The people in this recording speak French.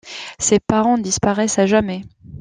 Ses parents disparaissent à jamais.